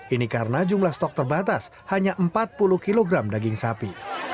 ini karena jumlah stok terbatas hanya empat puluh kg daging sapi